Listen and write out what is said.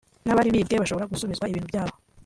n’abari bibwe bashobore gusubizwa ibintu byabo